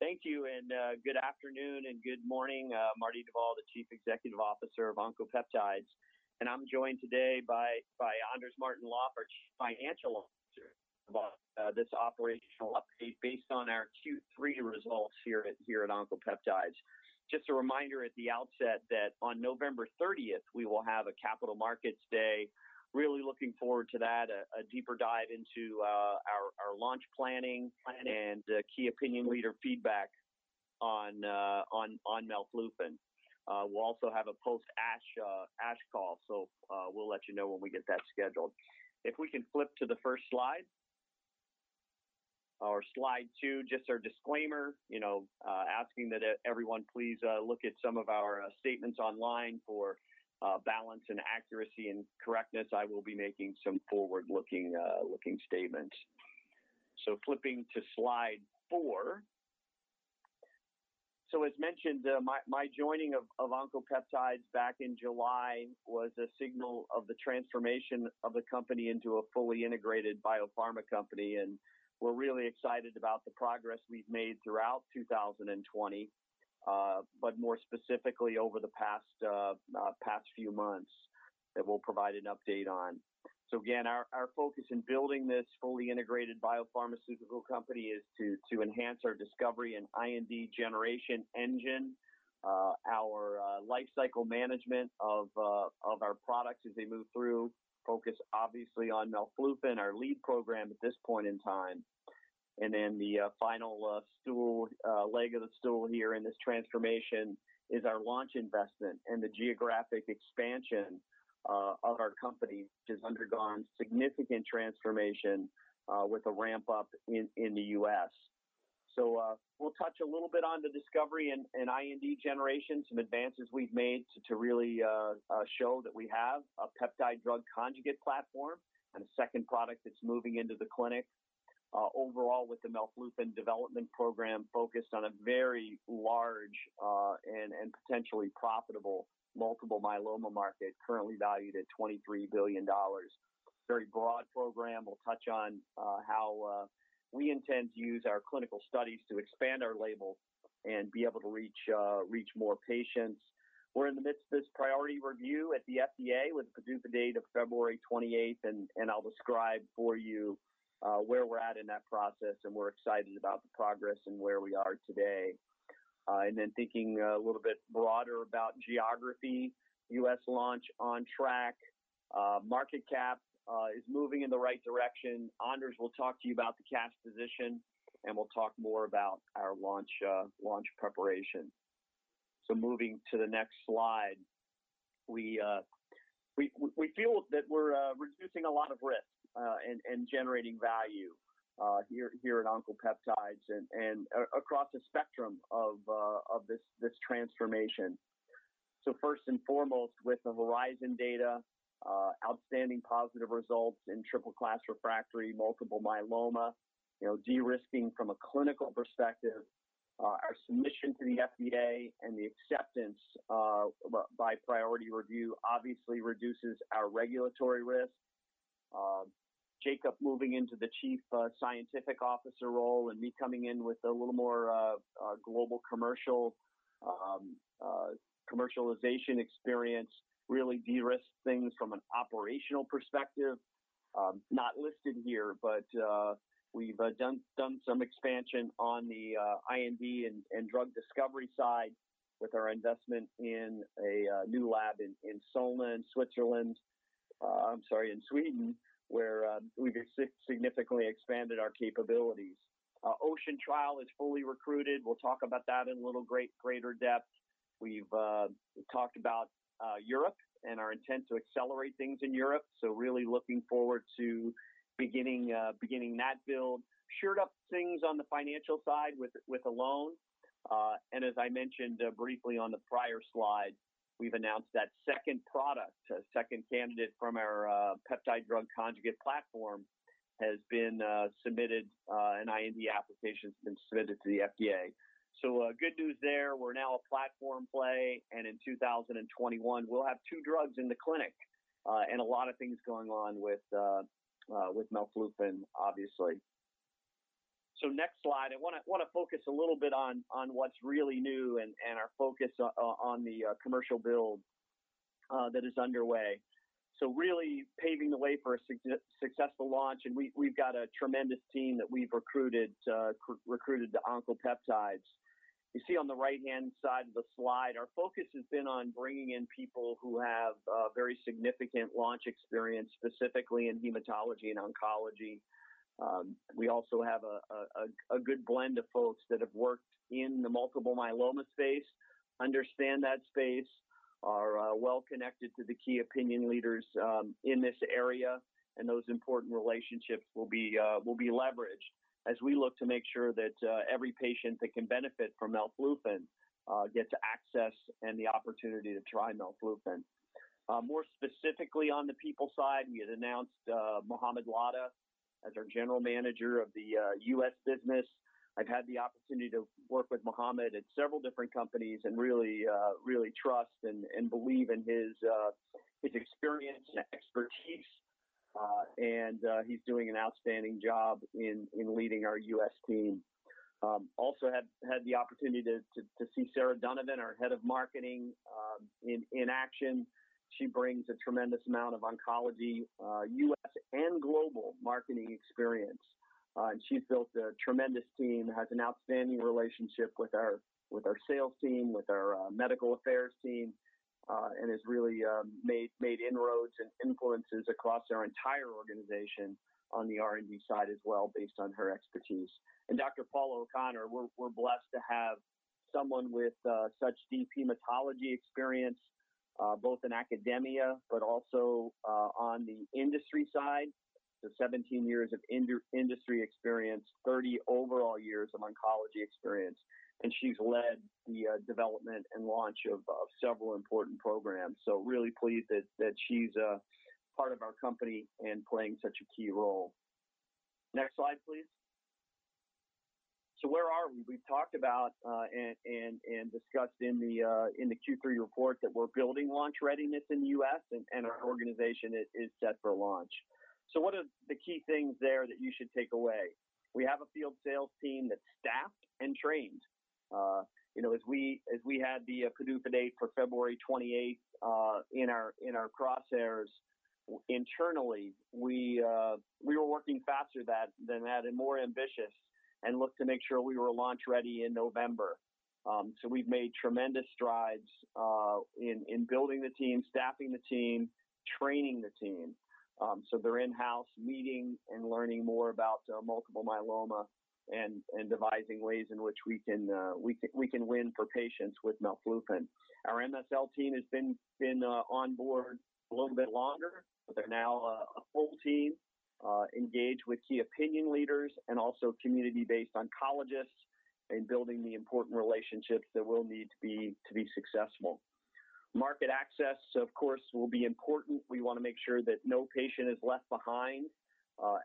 Thank you. Good afternoon and good morning. Marty Duvall, the Chief Executive Officer of Oncopeptides, and I'm joined today by Anders Martin-Löf, our Chief Financial Officer, about this operational update based on our Q3 results here at Oncopeptides. Just a reminder at the outset that on November 30th, we will have a Capital Markets Day, really looking forward to that, a deeper dive into our launch planning and key opinion leader feedback on melflufen. We'll also have a post ASH call, so we'll let you know when we get that scheduled. If we can flip to the first slide. Our slide two, just our disclaimer, asking that everyone please look at some of our statements online for balance and accuracy and correctness. I will be making some forward-looking statements. Flipping to slide four. As mentioned, my joining of Oncopeptides back in July was a signal of the transformation of the company into a fully integrated biopharma company, and we're really excited about the progress we've made throughout 2020. More specifically, over the past few months that we'll provide an update on. Again, our focus in building this fully integrated biopharmaceutical company is to enhance our discovery and IND generation engine, our lifecycle management of our products as they move through, focus obviously on melflufen, our lead program at this point in time. The final leg of the stool here in this transformation is our launch investment and the geographic expansion of our company, which has undergone significant transformation with a ramp-up in the U.S. We'll touch a little bit on the discovery and IND generation, some advances we've made to really show that we have a peptide drug conjugate platform and a second product that's moving into the clinic. Overall, with the melflufen development program focused on a very large and potentially profitable multiple myeloma market, currently valued at $23 billion. Very broad program. We'll touch on how we intend to use our clinical studies to expand our label and be able to reach more patients. We're in the midst of this priority review at the FDA with the due date of February 28th, and I'll describe for you where we're at in that process, and we're excited about the progress and where we are today. Thinking a little bit broader about geography, U.S. launch on track. Market cap is moving in the right direction. Anders will talk to you about the cash position, and we'll talk more about our launch preparation. Moving to the next slide. We feel that we're reducing a lot of risk and generating value here at Oncopeptides and across the spectrum of this transformation. First and foremost, with the HORIZON data, outstanding positive results in triple-class refractory multiple myeloma, de-risking from a clinical perspective. Our submission to the FDA and the acceptance by priority review obviously reduces our regulatory risk. Jakob moving into the Chief Scientific Officer role and me coming in with a little more global commercialization experience really de-risks things from an operational perspective. Not listed here, but we've done some expansion on the IND and drug discovery side with our investment in a new lab in Solna, in Sweden, where we've significantly expanded our capabilities. Our OCEAN trial is fully recruited. We'll talk about that in a little greater depth. We've talked about Europe and our intent to accelerate things in Europe, really looking forward to beginning that build. Shored up things on the financial side with a loan. As I mentioned briefly on the prior slide, we've announced that second product, a second candidate from our peptide drug conjugate platform, has been submitted, an IND application's been submitted to the FDA. Good news there. We're now a platform play, and in 2021, we'll have two drugs in the clinic, and a lot of things going on with melflufen, obviously. Next slide. I want to focus a little bit on what's really new and our focus on the commercial build that is underway. Really paving the way for a successful launch, and we've got a tremendous team that we've recruited to Oncopeptides. You see on the right-hand side of the slide, our focus has been on bringing in people who have very significant launch experience, specifically in hematology and oncology. We also have a good blend of folks that have worked in the multiple myeloma space, understand that space, are well connected to the key opinion leaders in this area, and those important relationships will be leveraged as we look to make sure that every patient that can benefit from melflufen gets access and the opportunity to try melflufen. More specifically on the people side, we had announced Mohamed Ladha as our General Manager of the U.S. business. I've had the opportunity to work with Mohamed at several different companies and really trust and believe in his experience and expertise. He's doing an outstanding job in leading our U.S. team. Also had the opportunity to see Sarah Donovan, our Head of Marketing, in action. She brings a tremendous amount of oncology, U.S. and global marketing experience. She's built a tremendous team, has an outstanding relationship with our sales team, with our medical affairs team, and has really made inroads and influences across our entire organization on the R&D side as well, based on her expertise. Dr. Paula O'Connor, we're blessed to have someone with such deep hematology experience, both in academia but also on the industry side. 17 years of industry experience, 30 overall years of oncology experience. She's led the development and launch of several important programs. Really pleased that she's a part of our company and playing such a key role. Next slide, please. Where are we? We've talked about and discussed in the Q3 report that we're building launch readiness in the U.S., and our organization is set for launch. What are the key things there that you should take away? We have a field sales team that's staffed and trained. As we had the PDUFA date for February 28th in our crosshairs internally, we were working faster than that and more ambitious and looked to make sure we were launch-ready in November. We've made tremendous strides in building the team, staffing the team, training the team. They're in-house meeting and learning more about multiple myeloma and devising ways in which we can win for patients with melflufen. Our MSL team has been on board a little bit longer. They're now a full team, engaged with key opinion leaders and also community-based oncologists in building the important relationships that we'll need to be successful. Market access, of course, will be important. We want to make sure that no patient is left behind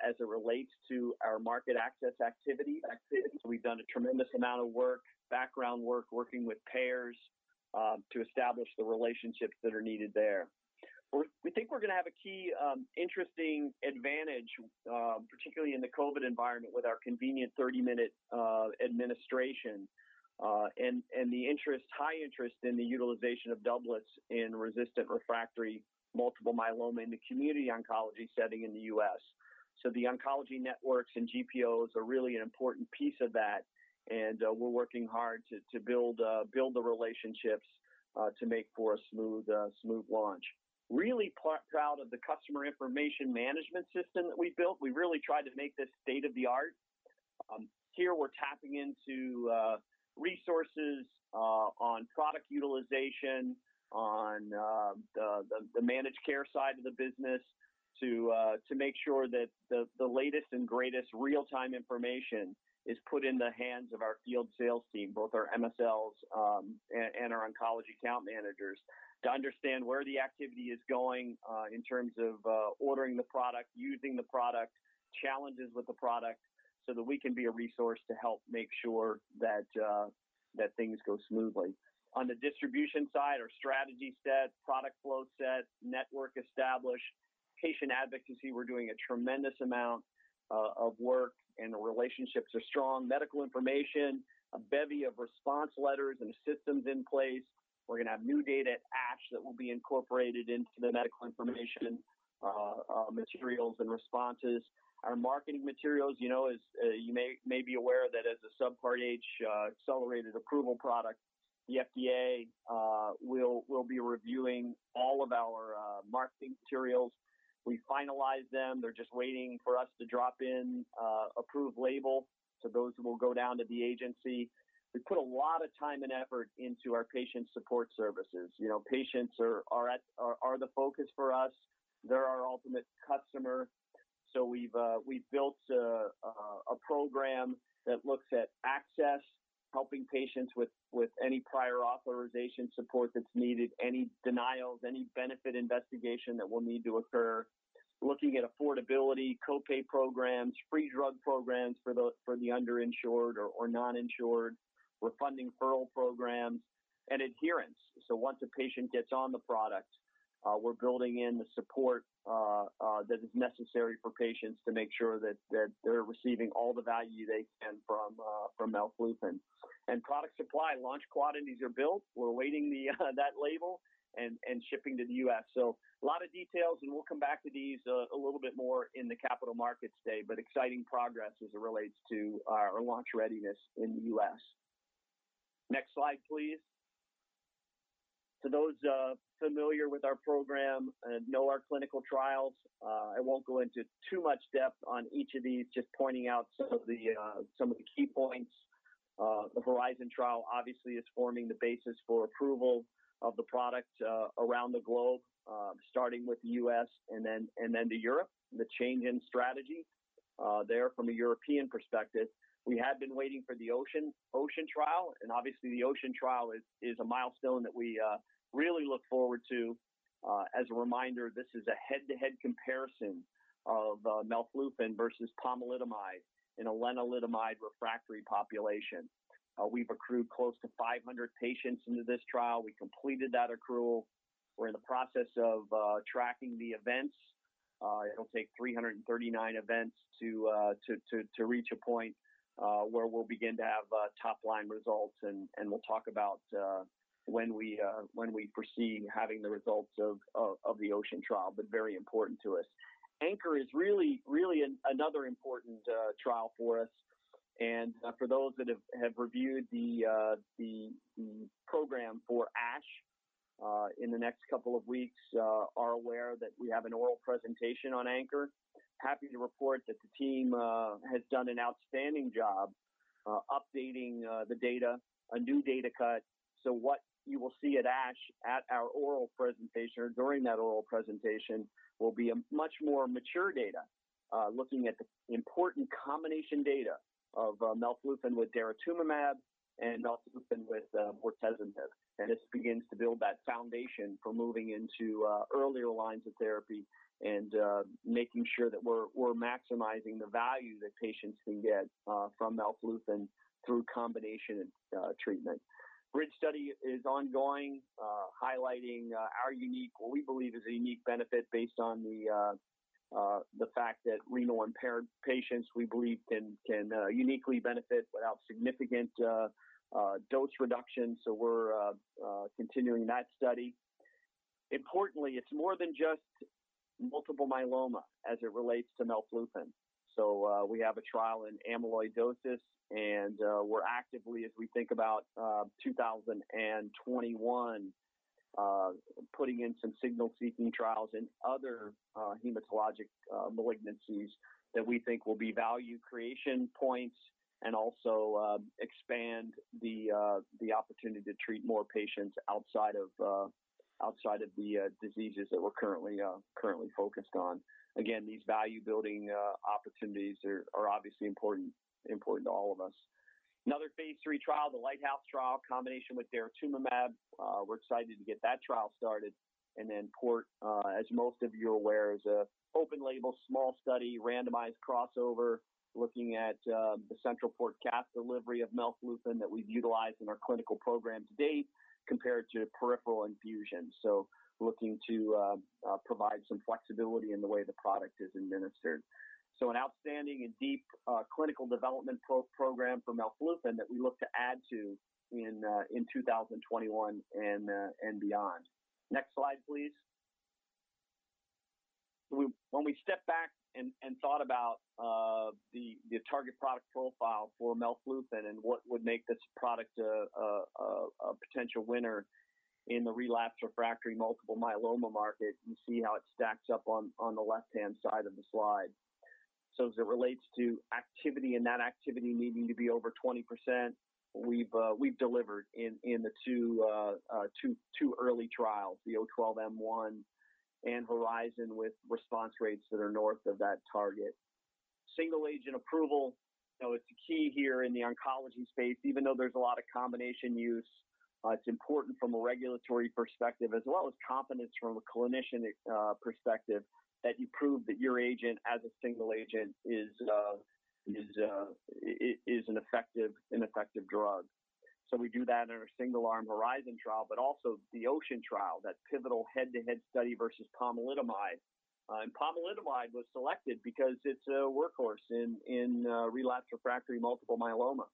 as it relates to our market access activity. We've done a tremendous amount of work, background work, working with payers, to establish the relationships that are needed there. We think we're going to have a key interesting advantage, particularly in the COVID-19 environment, with our convenient 30-minute administration, and the high interest in the utilization of doublets in resistant refractory multiple myeloma in the community oncology setting in the U.S. The oncology networks and GPOs are really an important piece of that, and we're working hard to build the relationships to make for a smooth launch. Really proud of the customer information management system that we built. We really tried to make this state-of-the-art. Here we're tapping into resources on product utilization, on the managed care side of the business to make sure that the latest and greatest real-time information is put in the hands of our field sales team, both our MSLs, and our oncology account managers, to understand where the activity is going in terms of ordering the product, using the product, challenges with the product, so that we can be a resource to help make sure that things go smoothly. On the distribution side, our strategy's set, product flow's set, network established. Patient advocacy, we're doing a tremendous amount of work, and the relationships are strong. Medical information, a bevy of response letters and systems in place. We're going to have new data at ASH that will be incorporated into the medical information materials and responses. Our marketing materials, as you may be aware that as a Subpart H accelerated approval product, the FDA will be reviewing all of our marketing materials. We finalized them. They're just waiting for us to drop in approved label. Those will go down to the agency. We put a lot of time and effort into our patient support services. Patients are the focus for us. They're our ultimate customer. We've built a program that looks at access, helping patients with any prior authorization support that's needed, any denials, any benefit investigation that will need to occur. Looking at affordability, co-pay programs, free drug programs for the under-insured or non-insured, refunding referral programs, and adherence. Once a patient gets on the product, we're building in the support that is necessary for patients to make sure that they're receiving all the value they can from melflufen. Product supply, launch quantities are built. We're awaiting that label and shipping to the U.S. A lot of details, and we'll come back to these a little bit more in the Capital Markets Day, but exciting progress as it relates to our launch readiness in the U.S. Next slide, please. For those familiar with our program and know our clinical trials, I won't go into too much depth on each of these, just pointing out some of the key points. The HORIZON trial, obviously, is forming the basis for approval of the product around the globe, starting with the U.S. and then to Europe, the change in strategy there from a European perspective. We have been waiting for the OCEAN trial, obviously the OCEAN trial is a milestone that we really look forward to. As a reminder, this is a head-to-head comparison of melflufen versus pomalidomide in a lenalidomide-refractory population. We've accrued close to 500 patients into this trial. We completed that accrual. We're in the process of tracking the events. It'll take 339 events to reach a point where we'll begin to have top-line results, we'll talk about when we foresee having the results of the OCEAN trial, very important to us. ANCHOR is really another important trial for us. For those that have reviewed the program for ASH in the next couple of weeks are aware that we have an oral presentation on ANCHOR. Happy to report that the team has done an outstanding job updating the data, a new data cut. What you will see at ASH at our oral presentation, or during that oral presentation, will be a much more mature data, looking at the important combination data of melflufen with daratumumab and melflufen with bortezomib. This begins to build that foundation for moving into earlier lines of therapy and making sure that we're maximizing the value that patients can get from melflufen through combination treatment. BRIDGE study is ongoing, highlighting what we believe is a unique benefit based on the fact that renal-impaired patients, we believe, can uniquely benefit without significant dose reduction. We're continuing that study. Importantly, it's more than just multiple myeloma as it relates to melflufen. We have a trial in amyloidosis, and we're actively, as we think about 2021, putting in some signal-seeking trials in other hematologic malignancies that we think will be value creation points and also expand the opportunity to treat more patients outside of the diseases that we're currently focused on. Again, these value-building opportunities are obviously important to all of us. Another phase III trial, the LIGHTHOUSE trial, combination with daratumumab. We're excited to get that trial started. PORT, as most of you are aware, is an open-label, small study, randomized crossover, looking at the central port cath delivery of melflufen that we've utilized in our clinical program to date compared to peripheral infusion. Looking to provide some flexibility in the way the product is administered. An outstanding and deep clinical development program for melflufen that we look to add to in 2021 and beyond. Next slide, please. When we stepped back and thought about the target product profile for melflufen and what would make this product a potential winner in the relapsed/refractory multiple myeloma market, you see how it stacks up on the left-hand side of the slide. As it relates to activity and that activity needing to be over 20%, we've delivered in the two early trials, the O-12-M1 and HORIZON with response rates that are north of that target. Single-agent approval is the key here in the oncology space, even though there's a lot of combination use. It's important from a regulatory perspective, as well as confidence from a clinician perspective, that you prove that your agent as a single agent is an effective drug. We do that in our single-arm HORIZON trial, but also the OCEAN trial, that pivotal head-to-head study versus pomalidomide. Pomalidomide was selected because it's a workhorse in relapsed/refractory multiple myeloma.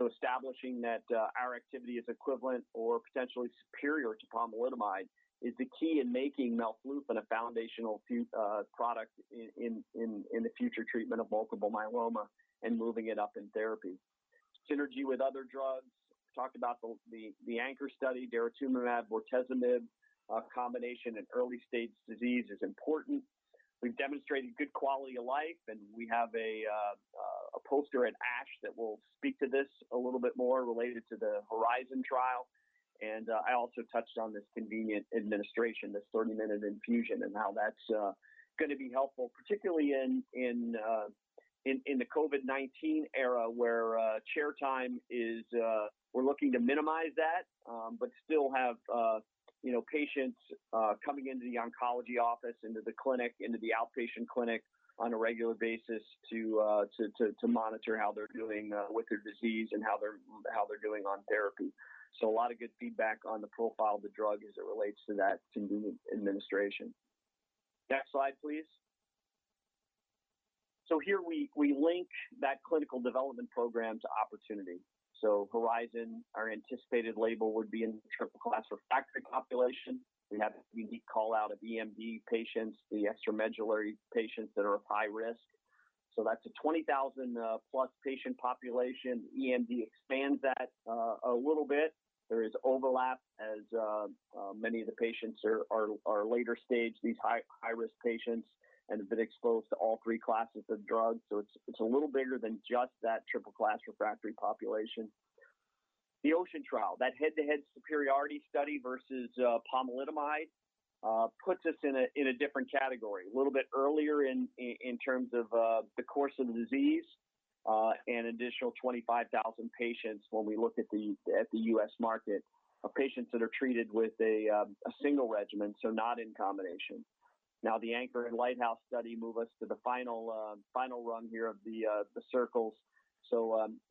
Establishing that our activity is equivalent or potentially superior to pomalidomide is the key in making melflufen a foundational product in the future treatment of multiple myeloma and moving it up in therapy. Synergy with other drugs. Talked about the ANCHOR study, daratumumab, bortezomib combination in early-stage disease is important. We've demonstrated good quality of life, and we have a poster at ASH that will speak to this a little bit more related to the HORIZON trial. I also touched on this convenient administration, this 30-minute infusion, and how that's going to be helpful, particularly in the COVID-19 era, where chair time is we're looking to minimize that but still have patients coming into the oncology office, into the clinic, into the outpatient clinic on a regular basis to monitor how they're doing with their disease and how they're doing on therapy. A lot of good feedback on the profile of the drug as it relates to that convenient administration. Next slide, please. Here we link that clinical development program to opportunity. HORIZON, our anticipated label would be in triple-class refractory population. We have a unique call-out of EMD patients, the extramedullary patients that are at high risk. That's a 20,000-plus patient population. EMD expands that a little bit. There is overlap as many of the patients are later stage, these high-risk patients, and have been exposed to all three classes of drugs. It's a little bigger than just that triple-class refractory population. The OCEAN trial, that head-to-head superiority study versus pomalidomide, puts us in a different category. A little bit earlier in terms of the course of the disease. An additional 25,000 patients when we look at the U.S. market of patients that are treated with a single regimen, so not in combination. Now, the ANCHOR and LIGHTHOUSE study move us to the final run here of the circles.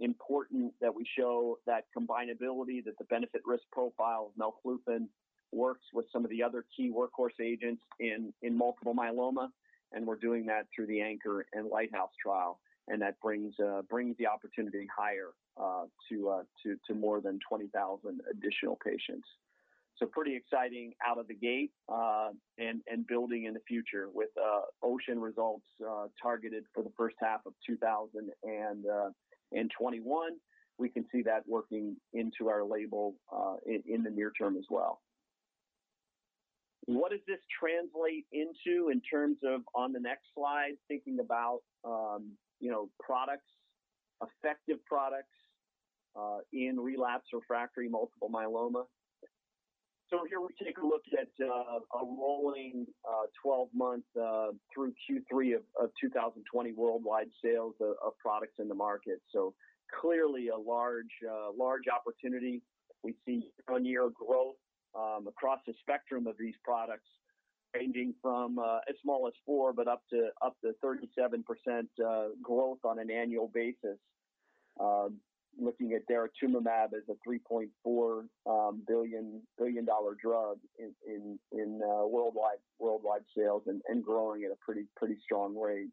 Important that we show that combinability, that the benefit-risk profile of melflufen works with some of the other key workhorse agents in multiple myeloma, and we're doing that through the ANCHOR and LIGHTHOUSE trial. That brings the opportunity higher to more than 20,000 additional patients. Pretty exciting out of the gate and building in the future with OCEAN results targeted for the first half of 2021. We can see that working into our label in the near term as well. What does this translate into in terms of, on the next slide, thinking about effective products in relapse/refractory multiple myeloma? Here we take a look at a rolling 12-month through Q3 of 2020 worldwide sales of products in the market. Clearly a large opportunity. We see year-on-year growth across the spectrum of these products, ranging from as small as 4% but up to 37% growth on an annual basis. Looking at daratumumab as a $3.4 billion drug in worldwide sales and growing at a pretty strong rate.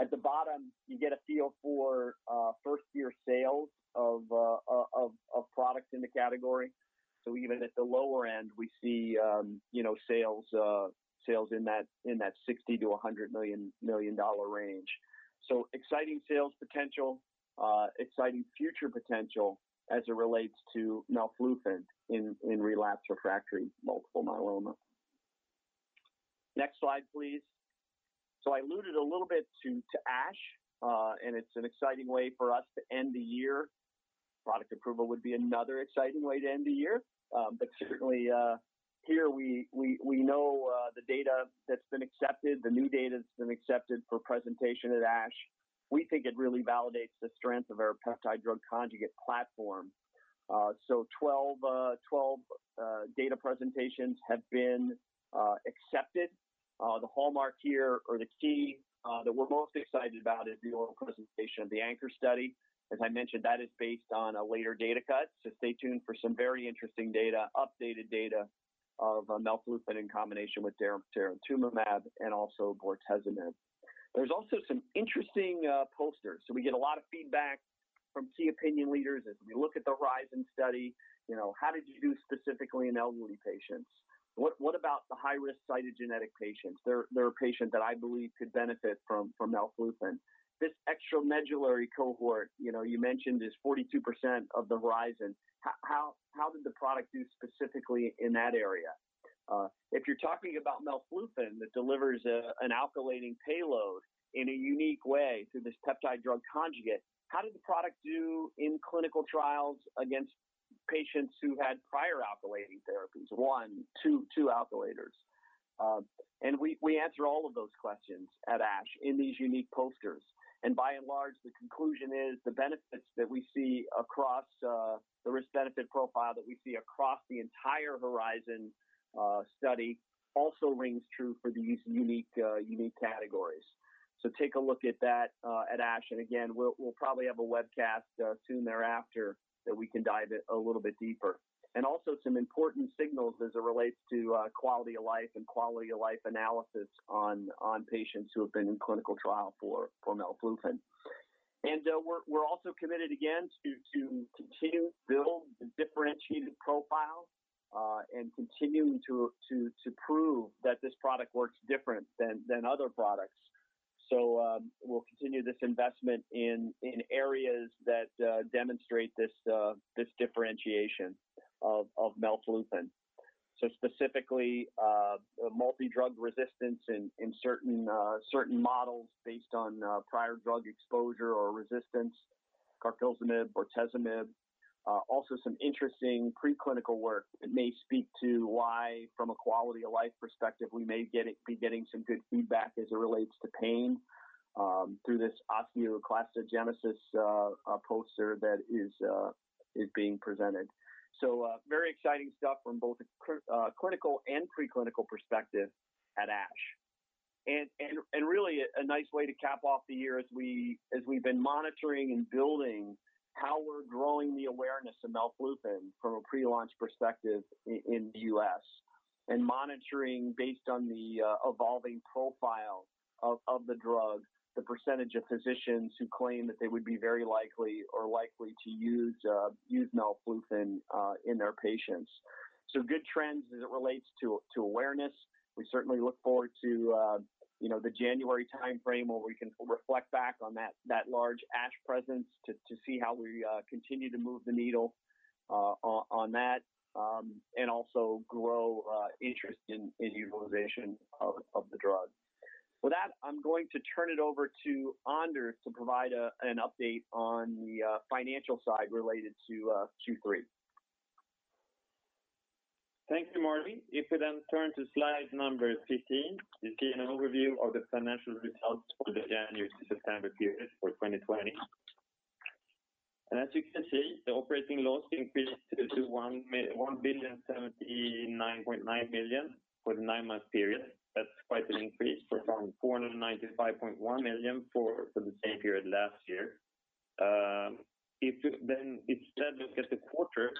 At the bottom, you get a feel for first-year sales of products in the category. Even at the lower end, we see sales in that $60 million-$100 million range. Exciting sales potential, exciting future potential as it relates to melflufen in relapse/refractory multiple myeloma. Next slide, please. I alluded a little bit to ASH, and it's an exciting way for us to end the year. Product approval would be another exciting way to end the year. Certainly here, we know the data that's been accepted, the new data that's been accepted for presentation at ASH. We think it really validates the strength of our peptide drug conjugate platform. 12 data presentations have been accepted. The hallmark here, or the key that we're most excited about, is the oral presentation of the ANCHOR study. As I mentioned, that is based on a later data cut, so stay tuned for some very interesting data, updated data of melflufen in combination with daratumumab and also bortezomib. There's also some interesting posters. We get a lot of feedback from key opinion leaders as we look at the HORIZON study. How did you do specifically in elderly patients? What about the high-risk cytogenetic patients? They're a patient that I believe could benefit from melflufen. This extramedullary cohort, you mentioned, is 42% of the HORIZON. How did the product do specifically in that area? If you're talking about melflufen that delivers an alkylating payload in a unique way through this peptide drug conjugate, how did the product do in clinical trials against patients who had prior alkylating therapies, one, two alkylators? We answer all of those questions at ASH in these unique posters. By and large, the conclusion is the benefits that we see across the risk-benefit profile that we see across the entire HORIZON study also rings true for these unique categories. Take a look at that at ASH. Again, we'll probably have a webcast soon thereafter that we can dive a little bit deeper. Also some important signals as it relates to quality of life and quality of life analysis on patients who have been in clinical trial for melflufen. We're also committed, again, to continue to build the differentiated profile and continuing to prove that this product works different than other products. We'll continue this investment in areas that demonstrate this differentiation of melflufen. Specifically, multi-drug resistance in certain models based on prior drug exposure or resistance, carfilzomib, bortezomib. Some interesting pre-clinical work that may speak to why, from a quality-of-life perspective, we may be getting some good feedback as it relates to pain through this osteoclastogenesis poster that is being presented. Very exciting stuff from both a clinical and pre-clinical perspective at ASH. Really a nice way to cap off the year as we've been monitoring and building how we're growing the awareness of melflufen from a pre-launch perspective in the U.S. and monitoring based on the evolving profile of the drug, the % of physicians who claim that they would be very likely or likely to use melflufen in their patients. Good trends as it relates to awareness. We certainly look forward to the January timeframe where we can reflect back on that large ASH presence to see how we continue to move the needle on that and also grow interest in utilization of the drug. With that, I'm going to turn it over to Anders to provide an update on the financial side related to Q3. Thank you, Marty. If you turn to slide number 15, you see an overview of the financial results for the January to September period for 2020. As you can see, the operating loss increased to 1,079.9 million for the nine-month period. That's quite an increase from 495.1 million for the same period last year. If you instead look at the quarter,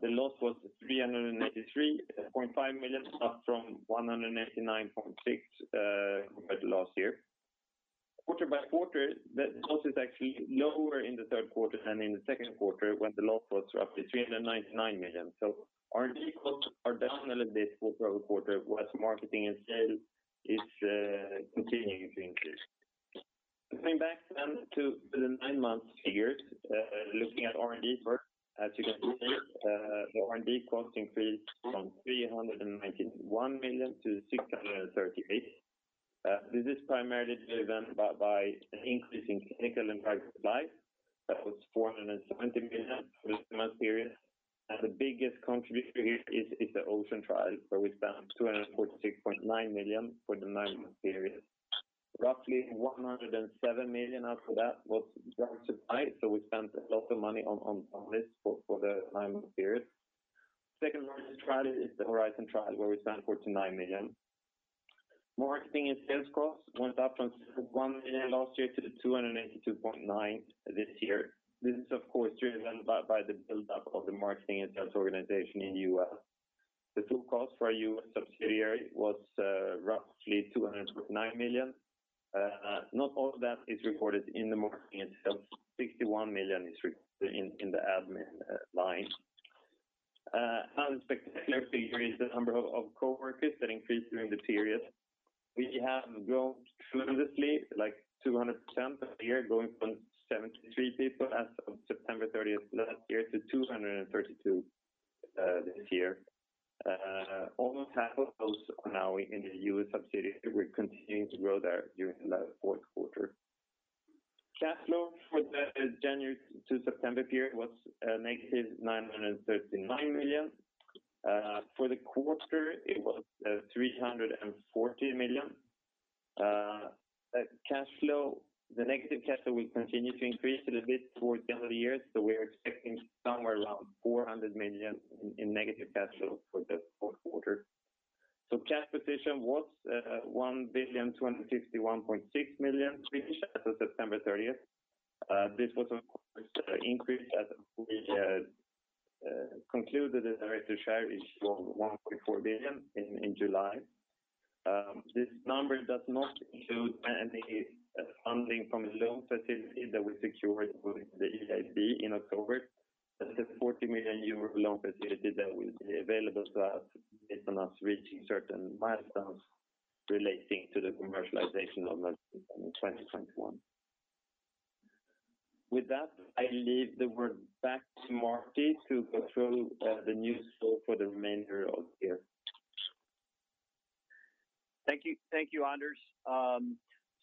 the loss was 393.5 million, up from 189.6 compared to last year. Quarter by quarter, the loss is actually lower in the third quarter than in the second quarter, when the loss was roughly 399 million. R&D costs are definitely this full quarter whilst marketing and sales is continuing to increase. Coming back to the nine-month figures, looking at R&D first. As you can see, the R&D cost increased from 391 million to 638. This is primarily driven by an increase in clinical and drug supply that was 470 million for this nine-month period. The biggest contributor here is the OCEAN trial, where we spent 246.9 million for the nine-month period. Roughly 107 million after that was drug supply. We spent a lot of money on this for the nine-month period. Second-largest trial is the HORIZON trial, where we spent 49 million. Marketing and sales costs went up from 61 million last year to 282.9 million this year. This is, of course, driven by the build-up of the marketing and sales organization in the U.S. The total cost for our U.S. subsidiary was roughly 209 million. Not all of that is reported in the marketing and sales. 61 million is reported in the admin line. Another spectacular figure is the number of coworkers that increased during the period. We have grown tremendously, like 200% of the year, going from 73 people as of September 30th last year to 232 this year. Almost half of those are now in the U.S. subsidiary. We're continuing to grow there during the fourth quarter. Cash flow for the January to September period was -939 million. For the quarter, it was 340 million. The negative cash flow will continue to increase a little bit towards the end of the year. We're expecting somewhere around 400 million in negative cash flow for the fourth quarter. Cash position was 1,261.6 million as of September 30th. This was, of course, increased as we concluded the director share issue of 1.4 billion in July. This number does not include any funding from the loan facility that we secured with the EIB in October. That's a 40 million euro loan facility that will be available to us based on us reaching certain milestones relating to the commercialization of melflufen in 2021. With that, I leave the word back to Marty to control the news flow for the remainder of the year. Thank you, Anders.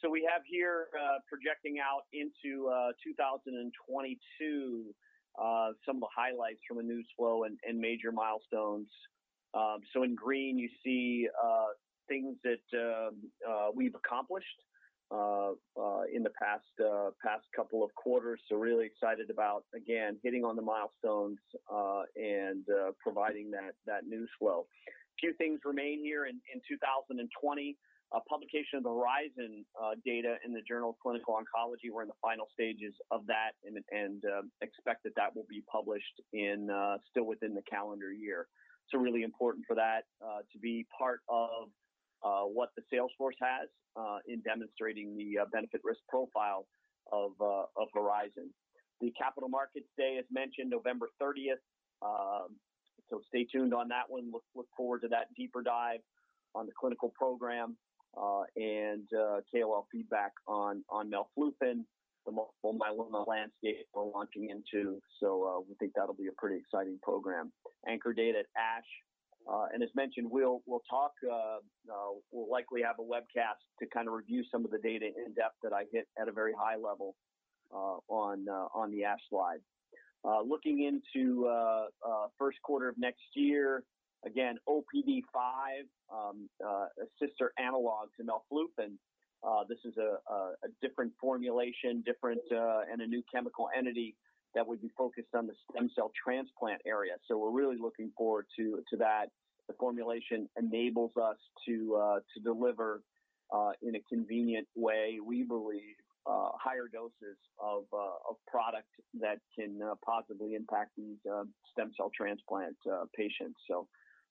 We have here, projecting out into 2022, some of the highlights from a news flow and major milestones. In green, you see things that we've accomplished in the past couple of quarters. Really excited about, again, hitting on the milestones and providing that news flow. A few things remain here in 2020. Publication of the HORIZON data in the Journal of Clinical Oncology. We're in the final stages of that and expect that that will be published still within the calendar year. Really important for that to be part of what the salesforce has in demonstrating the benefit-risk profile of HORIZON. The Capital Markets Day, as mentioned, November 30th. Stay tuned on that one. Look forward to that deeper dive on the clinical program and KOL feedback on melflufen, the multiple myeloma landscape we're launching into. We think that'll be a pretty exciting program. ANCHOR data at ASH. As mentioned, we'll likely have a webcast to review some of the data in depth that I hit at a very high level on the ASH slide. Looking into first quarter of next year, again, OPD5, a sister analog to melflufen. This is a different formulation, and a new chemical entity that would be focused on the stem cell transplant area. We're really looking forward to that. The formulation enables us to deliver in a convenient way, we believe, higher doses of product that can positively impact these stem cell transplant patients.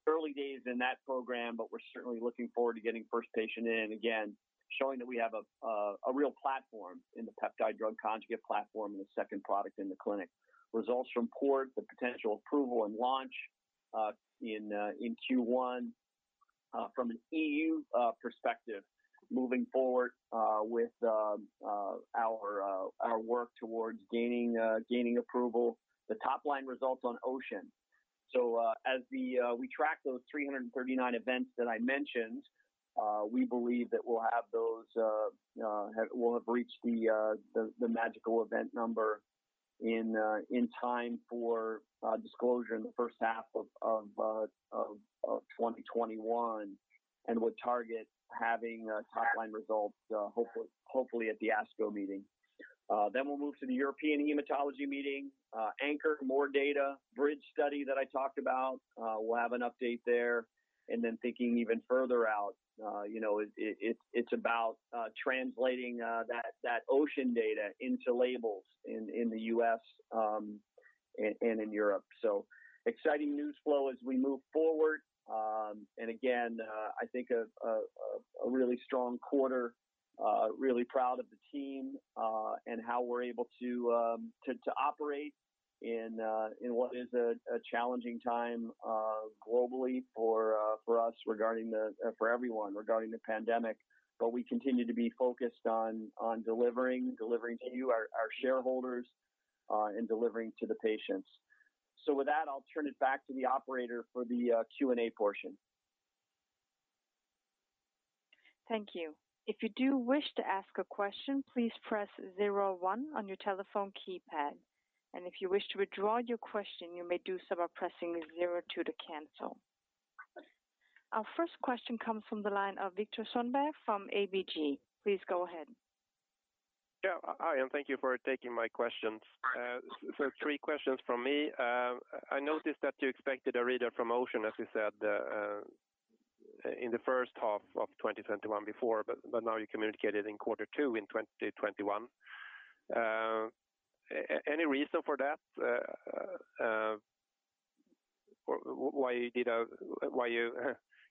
Early days in that program, but we're certainly looking forward to getting the first patient in. Again, showing that we have a real platform in the peptide drug conjugate platform and the second product in the clinic. Results from [CORD], the potential approval and launch in Q1 from an EU perspective, moving forward with our work towards gaining approval. The top-line results on OCEAN. As we track those 339 events that I mentioned. We believe that we'll have reached the magical event number in time for disclosure in the first half of 2021, and would target having top-line results, hopefully at the ASCO meeting. We'll move to the European Hematology meeting, ANCHOR, more data, BRIDGE study that I talked about. We'll have an update there, thinking even further out, it's about translating that OCEAN data into labels in the U.S. and in Europe. Exciting news flow as we move forward. Again, I think a really strong quarter, really proud of the team, and how we're able to operate in what is a challenging time globally for everyone regarding the pandemic. We continue to be focused on delivering to you, our shareholders, and delivering to the patients. With that, I'll turn it back to the operator for the Q&A portion. Thank you. If you do wish to ask a question, please press zero one on your telephone keypad. If you wish to withdraw your question, you may do so by pressing zero two to cancel. Our first question comes from the line of Viktor Sundberg from ABG. Please go ahead. Hi, thank you for taking my questions. Three questions from me. I noticed that you expected a read-out from OCEAN, as you said, in the first half of 2021 before, now you communicated in quarter two in 2021. Any reason for that? Why you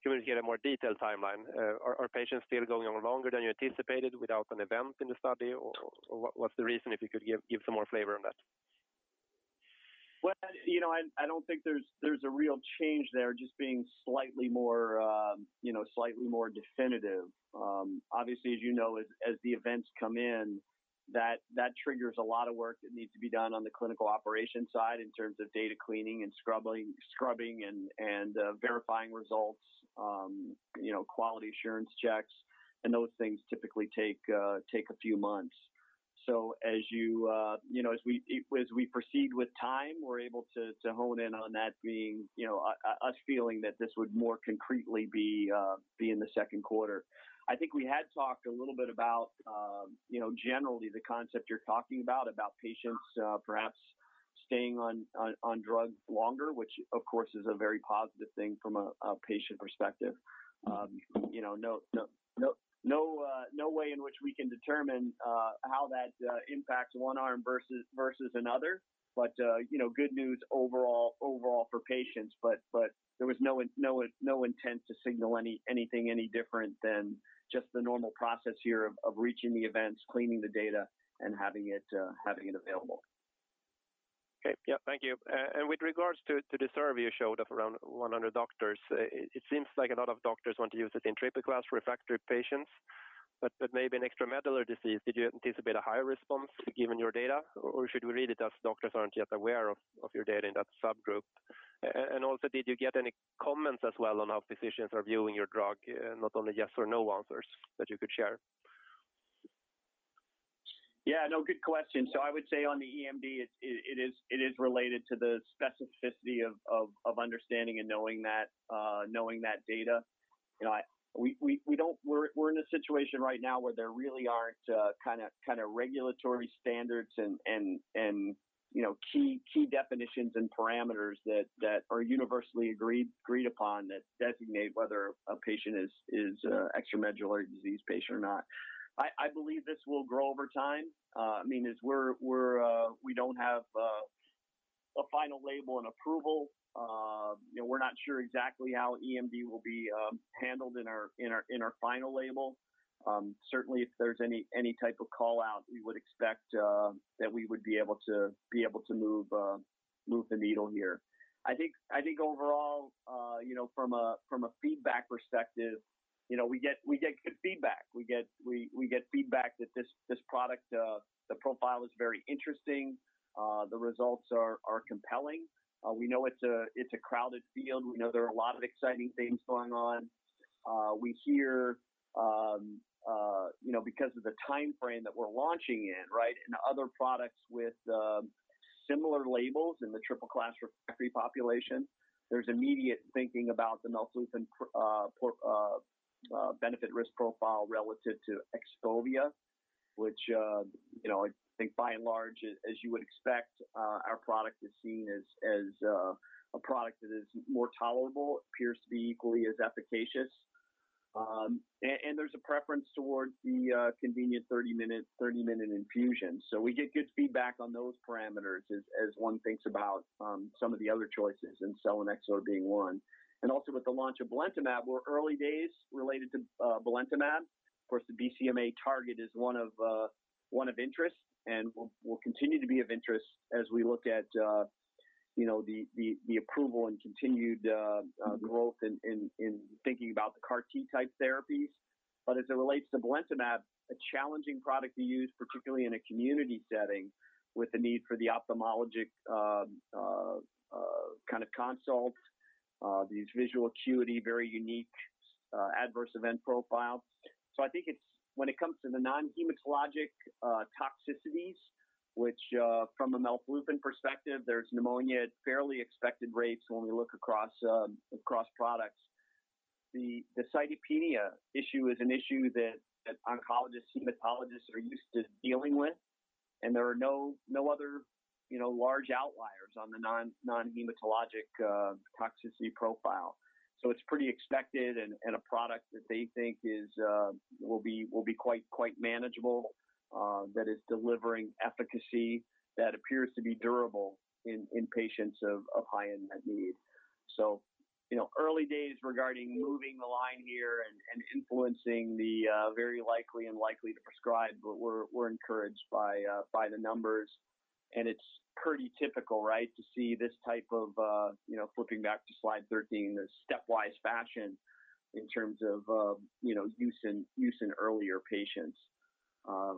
communicate a more detailed timeline? Are patients still going on longer than you anticipated without an event in the study, what's the reason, if you could give some more flavor on that? I don't think there's a real change there, just being slightly more definitive. Obviously, as you know, as the events come in, that triggers a lot of work that needs to be done on the clinical operations side in terms of data cleaning and scrubbing and verifying results, quality assurance checks, and those things typically take a few months. As we proceed with time, we're able to hone in on that being, us feeling that this would more concretely be in the second quarter. I think we had talked a little bit about, generally the concept you're talking about patients perhaps staying on drugs longer, which of course is a very positive thing from a patient perspective. No way in which we can determine how that impacts one arm versus another. Good news overall for patients, but there was no intent to signal anything any different than just the normal process here of reaching the events, cleaning the data, and having it available. Okay. Yeah, thank you. With regards to the survey you showed of around 100 doctors, it seems like a lot of doctors want to use it in triple-class refractory patients, but maybe in extramedullary disease, did you anticipate a higher response given your data, or should we read it as doctors aren't yet aware of your data in that subgroup? Also, did you get any comments as well on how physicians are viewing your drug? Not only yes or no answers that you could share. Good question. I would say on the EMD, it is related to the specificity of understanding and knowing that data. We're in a situation right now where there really aren't regulatory standards and key definitions and parameters that are universally agreed upon that designate whether a patient is a extramedullary disease patient or not. I believe this will grow over time. We don't have a final label and approval. We're not sure exactly how EMD will be handled in our final label. Certainly, if there's any type of call-out, we would expect that we would be able to move the needle here. I think overall, from a feedback perspective, we get good feedback. We get feedback that this product, the profile is very interesting. The results are compelling. We know it's a crowded field. We know there are a lot of exciting things going on. We hear, because of the timeframe that we're launching in, and other products with similar labels in the triple-class refractory population, there's immediate thinking about the melflufen benefit risk profile relative to XPOVIO, which I think by and large, as you would expect, our product is seen as a product that is more tolerable, appears to be equally as efficacious. There's a preference towards the convenient 30-minute infusion. We get good feedback on those parameters as one thinks about some of the other choices, and selinexor being one. Also with the launch of belantamab, we're early days related to belantamab. Of course, the BCMA target is one of interest, and will continue to be of interest as we look at the approval and continued growth in thinking about the CAR T type therapies. As it relates to belantamab, a challenging product to use, particularly in a community setting with the need for the ophthalmologic consults, these visual acuity, very unique adverse event profile. I think when it comes to the non-hematologic toxicities, which from a melflufen perspective, there's pneumonia at fairly expected rates when we look across products. The cytopenia issue is an issue that oncologists, hematologists are used to dealing with, and there are no other large outliers on the non-hematologic toxicity profile. It's pretty expected, and a product that they think will be quite manageable, that is delivering efficacy that appears to be durable in patients of high unmet need. Early days regarding moving the line here and influencing the very likely and likely to prescribe, but we're encouraged by the numbers. It's pretty typical to see this type of, flipping back to slide 13, the stepwise fashion in terms of use in earlier patients.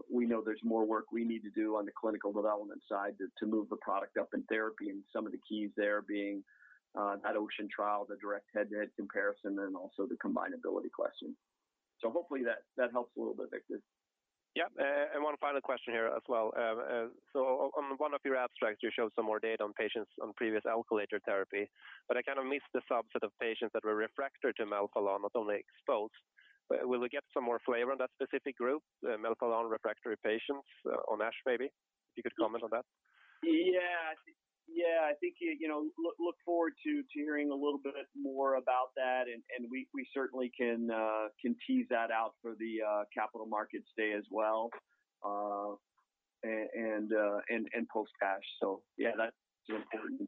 We know there's more work we need to do on the clinical development side to move the product up in therapy, and some of the keys there being that OCEAN trial, the direct head-to-head comparison, and also the combinability question. Hopefully that helps a little bit, Viktor. Yep. One final question here as well. On one of your abstracts, you showed some more data on patients on previous alkylator therapy, but I kind of missed the subset of patients that were refractory to melphalan, not only exposed. Will we get some more flavor on that specific group, melphalan refractory patients on ASH, maybe? If you could comment on that. Yeah. I think look forward to hearing a little bit more about that, and we certainly can tease that out for the Capital Markets Day as well, and post ASH. Yeah, that's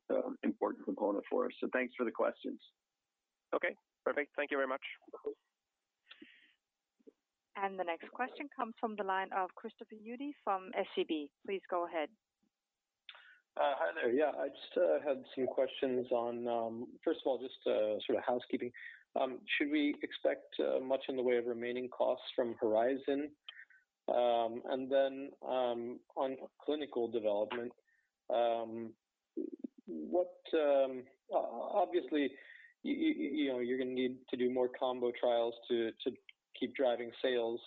an important component for us. Thanks for the questions. Okay, perfect. Thank you very much. Okay. The next question comes from the line of Christopher Uhde from SEB. Please go ahead. Hi there. Yeah, I just had some questions on, first of all, just sort of housekeeping. Should we expect much in the way of remaining costs from HORIZON? On clinical development, obviously, you're going to need to do more combo trials to keep driving sales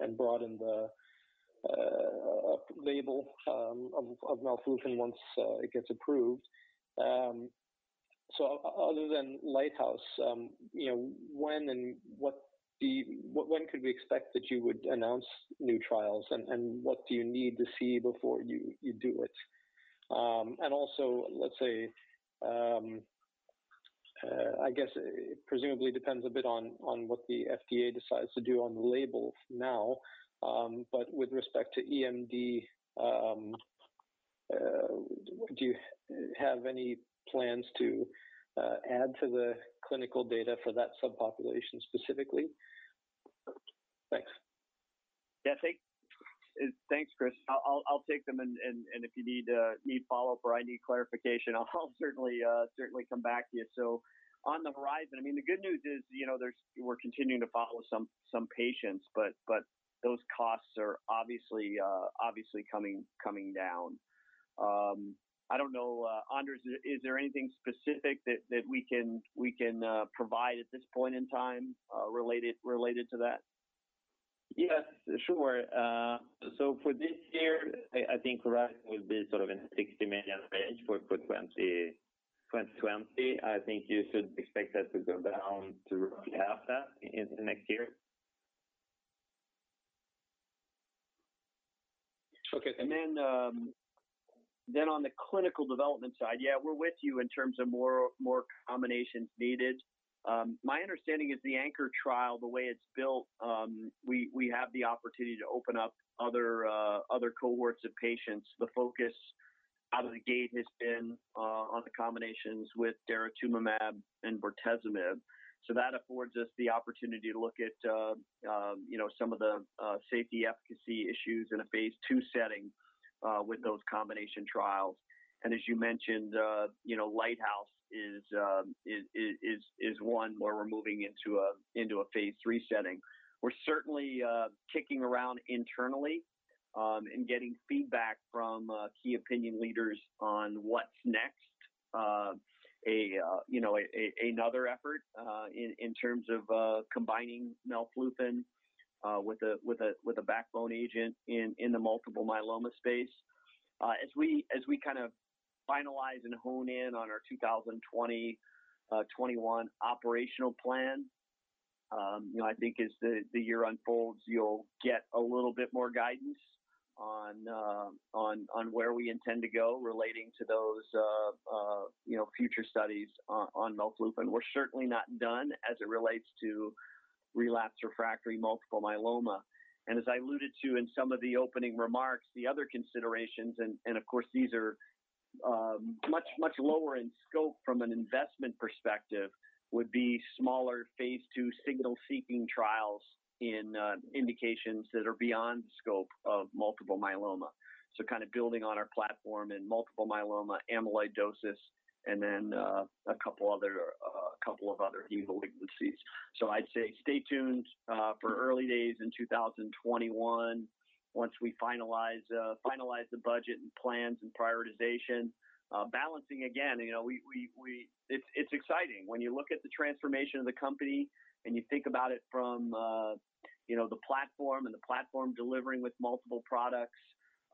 and broaden the label of melflufen once it gets approved. Other than LIGHTHOUSE, when could we expect that you would announce new trials, and what do you need to see before you do it? Also, let's say, I guess it presumably depends a bit on what the FDA decides to do on the label now, but with respect to EMD, do you have any plans to add to the clinical data for that subpopulation specifically? Thanks. Yeah. Thanks, Chris. I'll take them, and if you need follow-up or I need clarification, I'll certainly come back to you. On the HORIZON, the good news is we're continuing to follow some patients, but those costs are obviously coming down. I don't know, Anders, is there anything specific that we can provide at this point in time related to that? Yes, sure. For this year, I think HORIZON will be sort of in 60 million range for 2020. I think you should expect that to go down to roughly half that in the next year. Okay, thank you. On the clinical development side, yeah, we're with you in terms of more combinations needed. My understanding is the ANCHOR trial, the way it's built, we have the opportunity to open up other cohorts of patients. The focus out of the gate has been on the combinations with daratumumab and bortezomib. That affords us the opportunity to look at some of the safety efficacy issues in a phase II setting with those combination trials. As you mentioned, LIGHTHOUSE is one where we're moving into a phase III setting. We're certainly kicking around internally and getting feedback from key opinion leaders on what's next. Another effort in terms of combining melflufen with a backbone agent in the multiple myeloma space. As we kind of finalize and hone in on our 2020, 2021 operational plan, I think as the year unfolds, you'll get a little bit more guidance on where we intend to go relating to those future studies on melflufen. We're certainly not done as it relates to relapse refractory multiple myeloma. As I alluded to in some of the opening remarks, the other considerations, and of course, these are much lower in scope from an investment perspective, would be smaller phase II signal-seeking trials in indications that are beyond the scope of multiple myeloma. Kind of building on our platform in multiple myeloma, amyloidosis, and a couple of other hematologies. I'd say stay tuned for early days in 2021 once we finalize the budget and plans and prioritization. Balancing again, it's exciting. When you look at the transformation of the company and you think about it from the platform and the platform delivering with multiple products,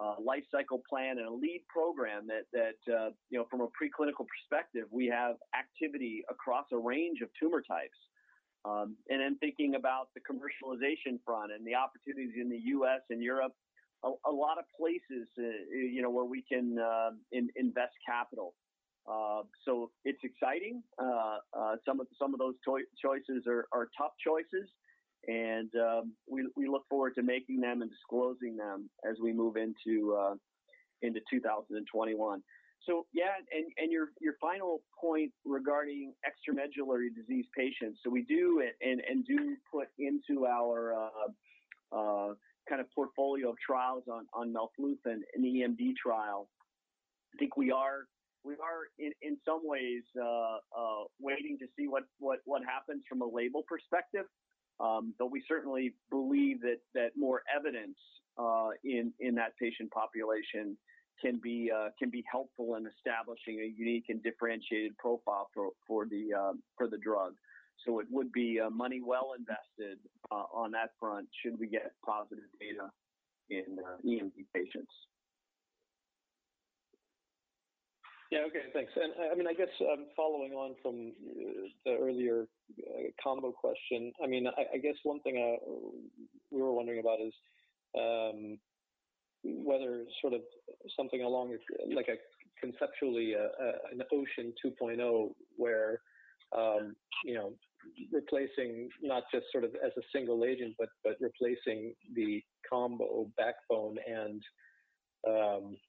a life cycle plan, and a lead program that from a preclinical perspective, we have activity across a range of tumor types. Thinking about the commercialization front and the opportunities in the U.S. and Europe, a lot of places where we can invest capital. It's exciting. Some of those choices are tough choices, and we look forward to making them and disclosing them as we move into 2021. Your final point regarding extramedullary disease patients. We do, and do put into our portfolio of trials on melflufen, an EMD trial. I think we are in some ways waiting to see what happens from a label perspective. Though we certainly believe that more evidence in that patient population can be helpful in establishing a unique and differentiated profile for the drug. It would be money well invested on that front should we get positive data in EMD patients. Yeah. Okay, thanks. I guess following on from the earlier combo question, I guess one thing we were wondering about is whether something along, like a conceptually an OCEAN 2.0, where replacing not just as a single agent, but replacing the combo backbone and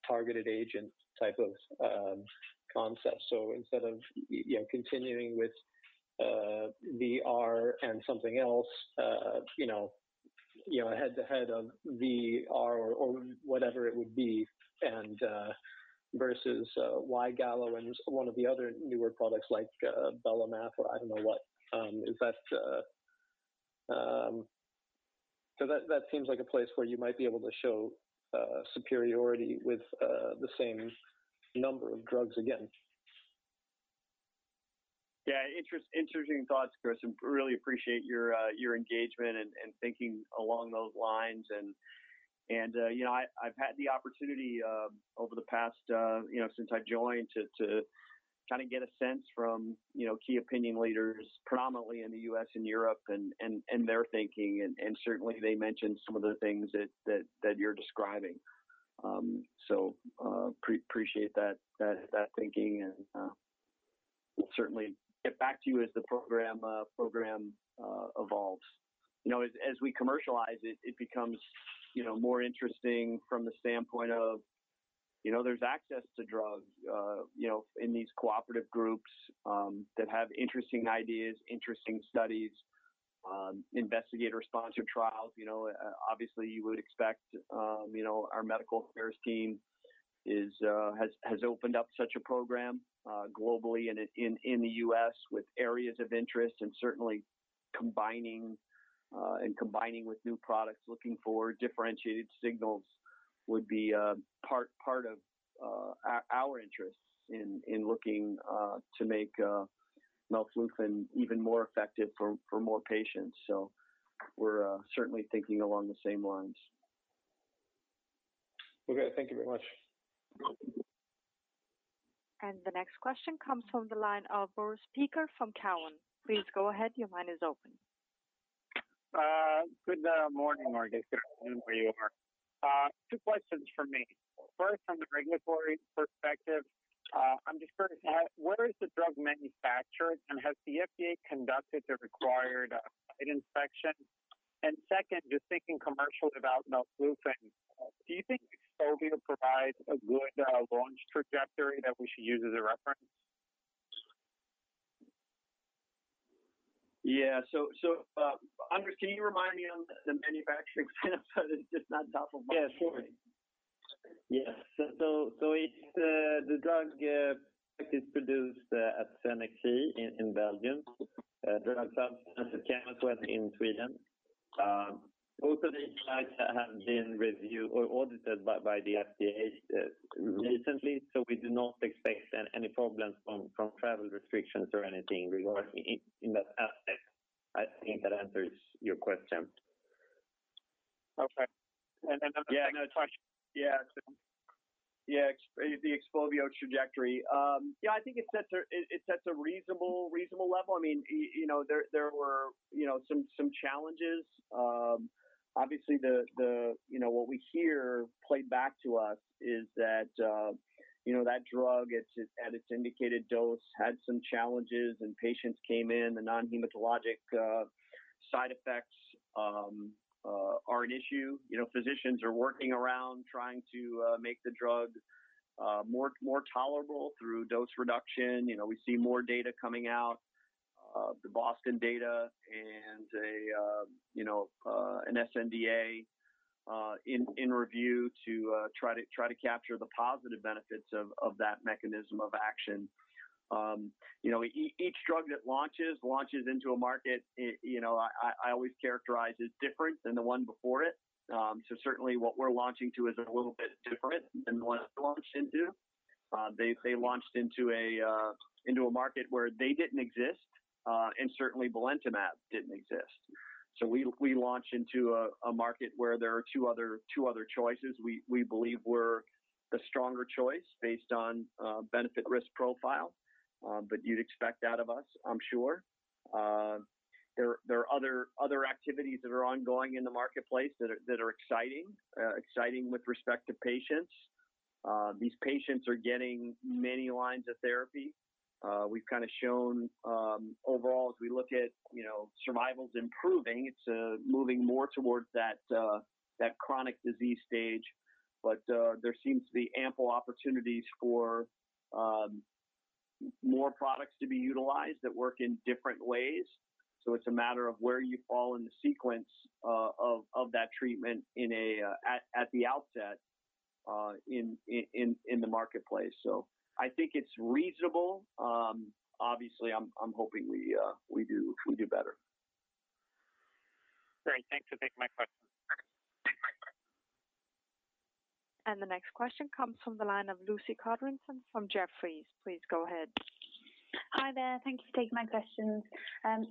targeted agent type of concept. Instead of continuing with VR and something else, head to head of VR or whatever it would be versus Wegovy and one of the other newer products like belantamab or I don't know what. That seems like a place where you might be able to show superiority with the same number of drugs again. Yeah, interesting thoughts, Chris, and really appreciate your engagement and thinking along those lines. I've had the opportunity over the past, since I joined, to get a sense from key opinion leaders, predominantly in the U.S. and Europe and their thinking, and certainly they mentioned some of the things that you're describing. Appreciate that thinking and we'll certainly get back to you as the program evolves. As we commercialize it becomes more interesting from the standpoint of there's access to drugs in these cooperative groups that have interesting ideas, interesting studies, investigator-sponsored trials. Obviously you would expect our medical affairs team has opened up such a program globally and in the U.S. with areas of interest, and certainly combining with new products looking for differentiated signals would be part of our interests in looking to make melflufen even more effective for more patients. We're certainly thinking along the same lines. Okay. Thank you very much. The next question comes from the line of Boris Peaker from Cowen. Please go ahead, your line is open. Good morning, or good afternoon where you are. Two questions from me. First, from the regulatory perspective, I'm just curious, where is the drug manufactured, and has the FDA conducted the required site inspection? Second, just thinking commercially about melflufen, do you think XPOVIO provides a good launch trajectory that we should use as a reference? Yeah. Anders, can you remind me on the manufacturing center, just on top of mind for me? Yeah, sure. The drug is produced at in Belgium. Drug substance came from Sweden. The sites have been reviewed or audited by the FDA recently, so we do not expect any problems from travel restrictions or anything regarding in that aspect. I think that answers your question. Okay. The second question. Yeah. The XPOVIO trajectory. Yeah, I think it sets a reasonable level. There were some challenges. Obviously, what we hear played back to us is that drug at its indicated dose had some challenges and patients came in and non-hematologic side effects are an issue. Physicians are working around trying to make the drug more tolerable through dose reduction. We see more data coming out, the BOSTON data and an sNDA in review to try to capture the positive benefits of that mechanism of action. Each drug that launches into a market I always characterize as different than the one before it. Certainly what we're launching to is a little bit different than the one it launched into. They launched into a market where they didn't exist, and certainly belantamab didn't exist. We launch into a market where there are two other choices. We believe we're the stronger choice based on benefit-risk profile. You'd expect that of us, I'm sure. There are other activities that are ongoing in the marketplace that are exciting with respect to patients. These patients are getting many lines of therapy. We've shown overall as we look at survival's improving, it's moving more towards that chronic disease stage, but there seems to be ample opportunities for more products to be utilized that work in different ways. It's a matter of where you fall in the sequence of that treatment at the outset in the marketplace. I think it's reasonable. Obviously, I'm hoping we do better. Great. Thanks for taking my question. The next question comes from the line of Lucy Codrington from Jefferies. Please go ahead. Hi there. Thank you for taking my questions.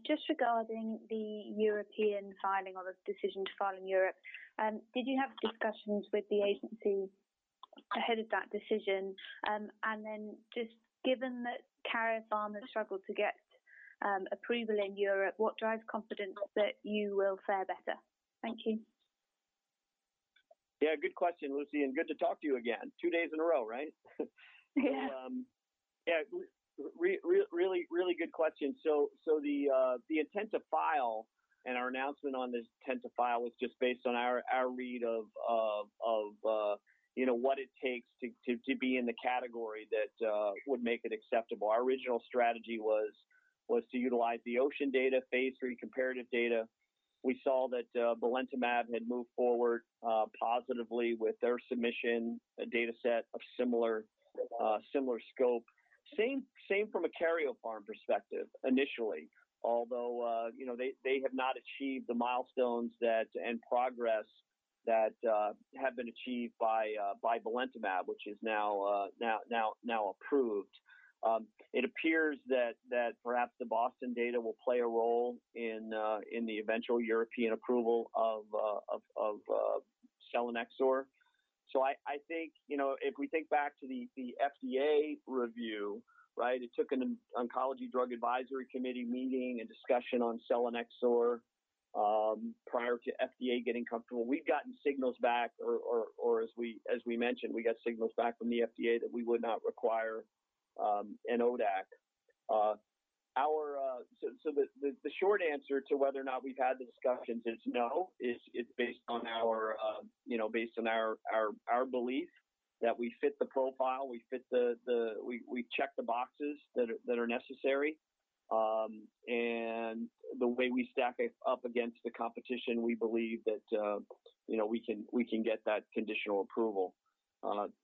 Just regarding the European filing or the decision to file in Europe, did you have discussions with the agency ahead of that decision? Then just given that Karyopharm has struggled to get approval in Europe, what drives confidence that you will fare better? Thank you. Yeah, good question, Lucy, and good to talk to you again. Two days in a row, right? Yeah. Yeah. Really good question. The intent to file and our announcement on this intent to file was just based on our read of what it takes to be in the category that would make it acceptable. Our original strategy was to utilize the OCEAN data, phase III comparative data. We saw that belantamab had moved forward positively with their submission, a dataset of similar scope. Same from a Karyopharm perspective initially, although they have not achieved the milestones and progress that have been achieved by belantamab, which is now approved. It appears that perhaps the BOSTON data will play a role in the eventual European approval of selinexor. I think, if we think back to the FDA review, right? It took an Oncologic Drugs Advisory Committee meeting and discussion on selinexor, prior to FDA getting comfortable. We've gotten signals back, or as we mentioned, we got signals back from the FDA that we would not require an ODAC. The short answer to whether or not we've had the discussions is no, it's based on our belief that we fit the profile, we've checked the boxes that are necessary. The way we stack up against the competition, we believe that we can get that conditional approval.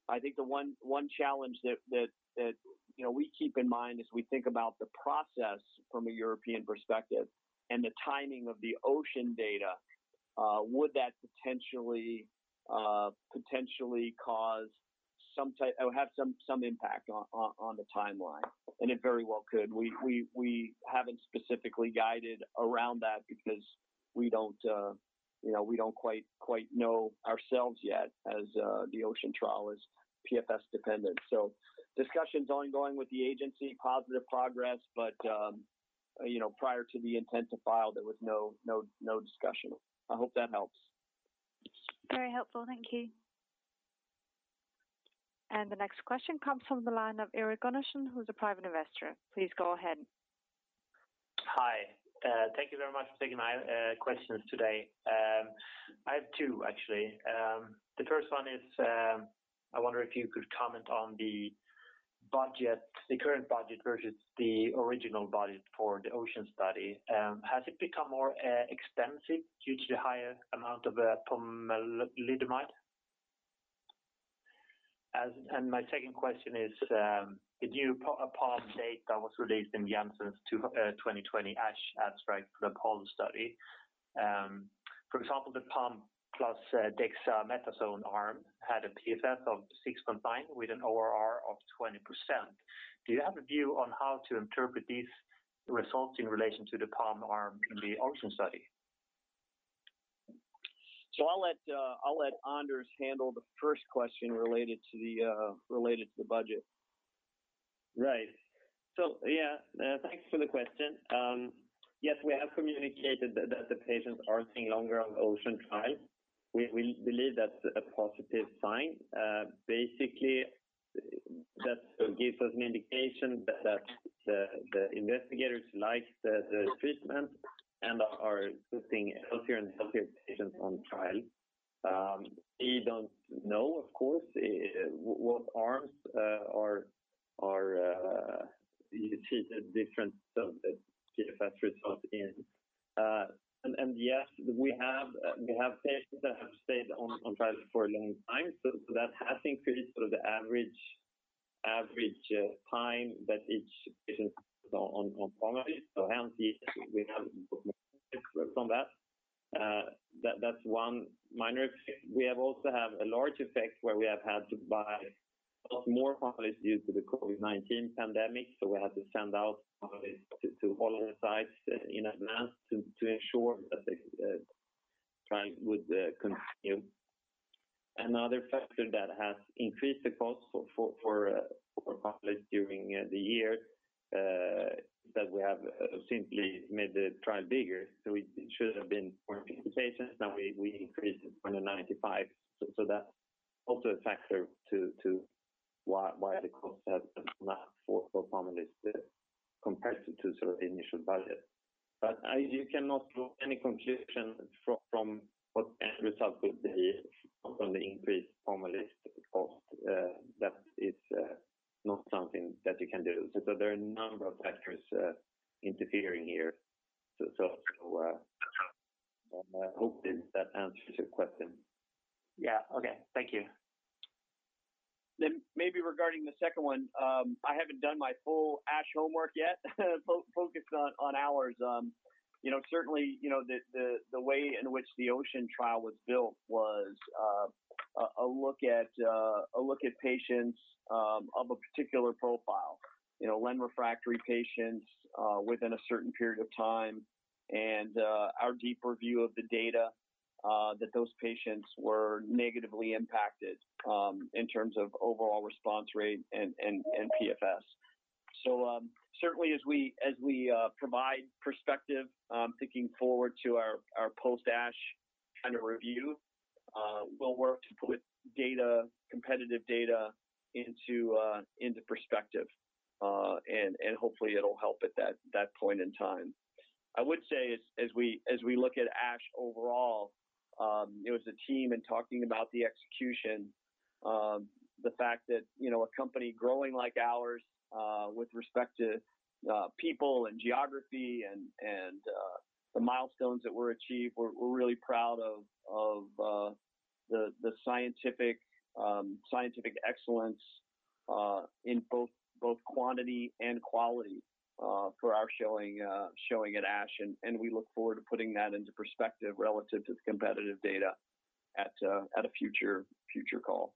I think the one challenge that we keep in mind as we think about the process from a European perspective and the timing of the OCEAN data, would that potentially have some impact on the timeline? It very well could. We haven't specifically guided around that because we don't quite know ourselves yet as the OCEAN trial is PFS dependent. Discussions ongoing with the Agency, positive progress, but prior to the intent to file, there was no discussion. I hope that helps. Very helpful. Thank you. The next question comes from the line of Erik Gunnarsson, who's a private investor. Please go ahead. Hi. Thank you very much for taking my questions today. I have two, actually. The first one is, I wonder if you could comment on the current budget versus the original budget for the OCEAN study. Has it become more extensive due to the higher amount of pomalidomide? My second question is, the new Pom data was released in Janssen's 2020 ASH abstract for the Pom study. For example, the Pom plus dexamethasone arm had a PFS of 6.9 with an ORR of 20%. Do you have a view on how to interpret these results in relation to the Pom arm in the OCEAN study? I'll let Anders handle the first question related to the budget. Right. Yeah. Thanks for the question. Yes, we have communicated that the patients are staying longer on the OCEAN. We believe that's a positive sign. Basically, that gives us an indication that the investigators like the treatment and are putting healthier and healthier patients on trial. We don't know, of course, what arms are treated different than the PFS result in. Yes, we have patients that have stayed on trial for a long time, so that has increased the average time that each patient is on pomalidomide. We have improvement from that. That's one minor effect. We have also have a large effect where we have had to buy a lot more pomalidomide due to the COVID-19 pandemic, so we had to send out pomalidomide to all our sites in advance to ensure that the trial would continue. Another factor that has increased the cost for pomalidomide during the year, that we have simply made the trial bigger. It should have been 450 patients. Now we increased it to 495. That's also a factor to why the cost has gone compared to the initial budget. You cannot draw any conclusion from what end result will be from the increased. That is not something that you can do. There are a number of factors interfering here. I hope that answers your question. Yeah. Okay. Thank you. Maybe regarding the second one, I haven't done my full ASH homework yet. Focused on ours. Certainly, the way in which the OCEAN trial was built was a look at patients of a particular profile, len-refractory patients within a certain period of time, and our deeper view of the data that those patients were negatively impacted in terms of overall response rate and PFS. Certainly, as we provide perspective, thinking forward to our post-ASH kind of review, we'll work to put competitive data into perspective. Hopefully it'll help at that point in time. I would say as we look at ASH overall, it was the team and talking about the execution, the fact that a company growing like ours with respect to people and geography and the milestones that were achieved, we're really proud of the scientific excellence in both quantity and quality for our showing at ASH. We look forward to putting that into perspective relative to the competitive data at a future call.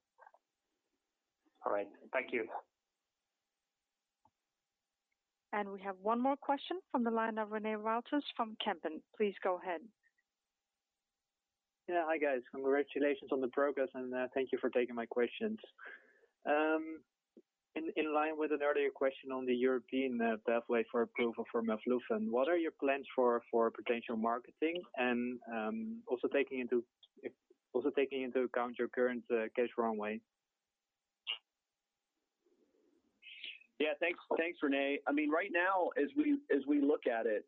All right. Thank you. We have one more question from the line of René Wouters from Kempen. Please go ahead. Yeah. Hi, guys. Congratulations on the progress. Thank you for taking my questions. In line with an earlier question on the European pathway for approval for melflufen, what are your plans for potential marketing? Also taking into account your current cash runway? Yeah. Thanks, René. Right now, as we look at it,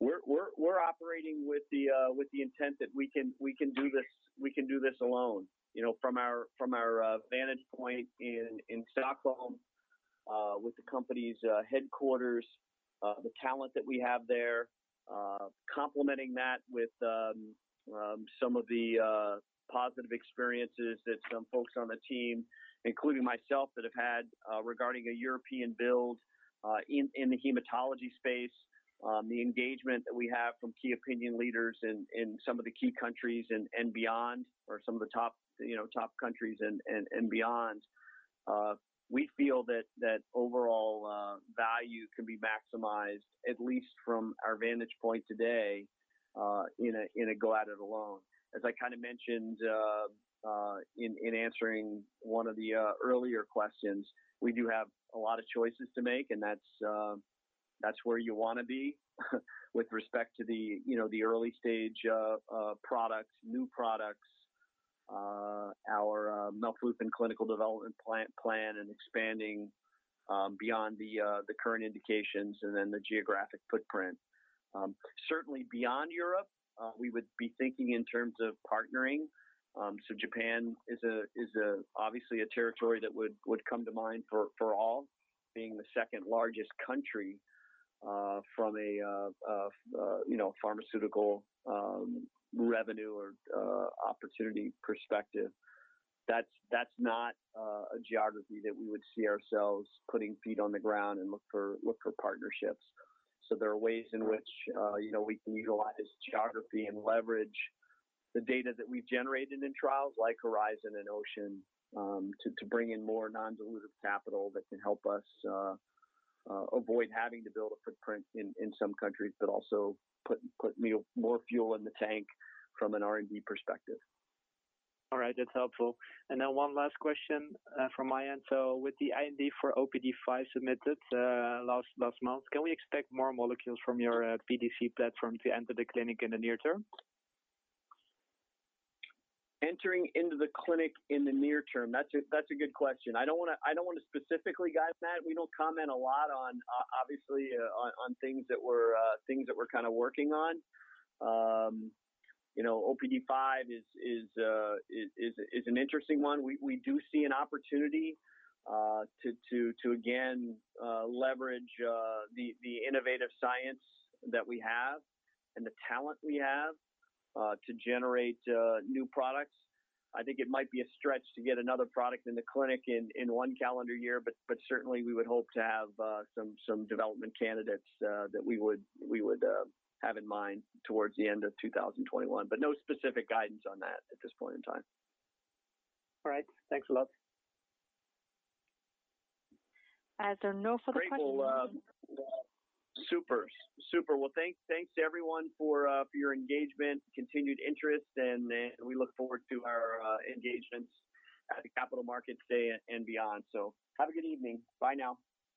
we're operating with the intent that we can do this alone from our vantage point in Stockholm with the company's headquarters, the talent that we have there complementing that with some of the positive experiences that some folks on the team, including myself, that have had regarding a European build in the hematology space, the engagement that we have from key opinion leaders in some of the key countries and beyond or some of the top countries and beyond. We feel that overall value can be maximized, at least from our vantage point today, in a go at it alone. As I kind of mentioned in answering one of the earlier questions, we do have a lot of choices to make. That's where you want to be with respect to the early-stage products, new products, our melflufen clinical development plan, and expanding beyond the current indications and then the geographic footprint. Certainly beyond Europe, we would be thinking in terms of partnering. Japan is obviously a territory that would come to mind for all, being the second-largest country from a pharmaceutical revenue or opportunity perspective. That's not a geography that we would see ourselves putting feet on the ground and look for partnerships. There are ways in which we can utilize geography and leverage the data that we've generated in trials like HORIZON and OCEAN to bring in more non-dilutive capital that can help us avoid having to build a footprint in some countries, but also put more fuel in the tank from an R&D perspective. All right. That's helpful. Now one last question from my end. With the IND for OPD5 submitted last month, can we expect more molecules from your PDC platform to enter the clinic in the near term? Entering into the clinic in the near term. That's a good question. I don't want to specifically guide that. We don't comment a lot, obviously, on things that we're kind of working on. OPD5 is an interesting one. We do see an opportunity to again leverage the innovative science that we have and the talent we have to generate new products. I think it might be a stretch to get another product in the clinic in one calendar year, but certainly we would hope to have some development candidates that we would have in mind towards the end of 2021, but no specific guidance on that at this point in time. All right. Thanks a lot. As there are no further questions- Great. Well, super. Thanks everyone for your engagement, continued interest, and we look forward to our engagements at the Capital Markets Day and beyond. Have a good evening. Bye now.